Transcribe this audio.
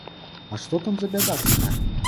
А што там за бяда такая?